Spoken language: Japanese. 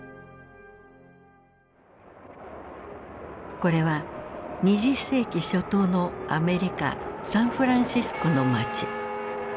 これは２０世紀初頭のアメリカサンフランシスコの街。